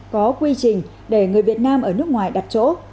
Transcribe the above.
có quy trình để người việt nam có thể tiêm được hai mũi vaccine